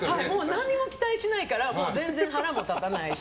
何も期待しないから全然、腹も立たないし。